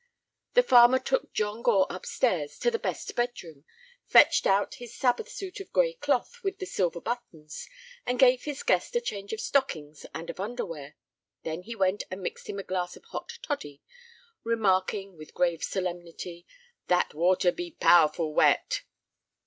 The farmer took John Gore upstairs to the best bedroom, fetched out his Sabbath suit of gray cloth with the silver buttons, and gave his guest a change of stockings and of underwear. Then he went and mixed him a glass of hot toddy, remarking, with grave solemnity: "That water be powerful wet!"